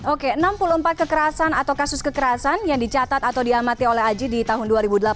oke enam puluh empat kekerasan atau kasus kekerasan yang dicatat atau diamati oleh aji di tahun dua ribu delapan belas